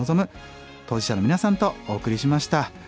当事者の皆さんとお送りしました。